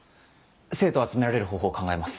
生徒を集められる方法考えます。